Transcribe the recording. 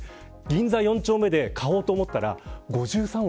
銀座４丁目で買おうと思ったら５３億